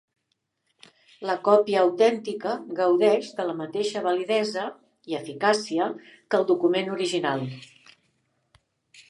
La còpia autèntica gaudeix de la mateixa validesa i eficàcia que el document original.